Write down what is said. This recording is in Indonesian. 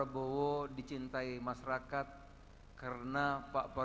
prabowo dicintai masyarakat karena pak prabowo